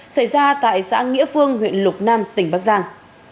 xảy ra tại xã nghĩa phương huyện lục nam tỉnh bắc giang